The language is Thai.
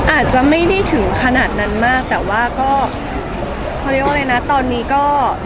อาจจะไม่ได้ถึงขนาดนั้นมากแต่ว่าก็เขาเรียกว่าอะไรนะตอนนี้ก็